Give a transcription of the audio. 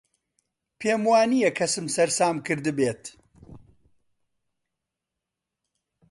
پێم وا نییە کەسم سەرسام کردبێت.